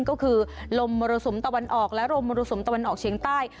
ก็คือลมมรสุมตะวันออกและลมมรสุมตะวันออกเชียงใต้